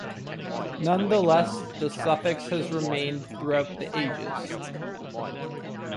Nonetheless, the suffix has remained throughout the ages.